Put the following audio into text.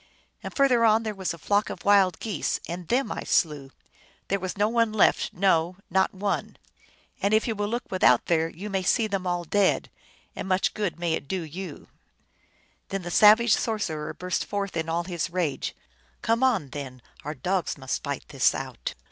And further on there was a flock of wild geese, and them I slew ; there was not one left, no, not one. And if you will look without there you may see them all dead, and much good may it do you !" 286 THE ALGONQUIN LEGENDS. Then the savage sorcerer burst forth in all his rage i " Come on, then, our dogs must fight this out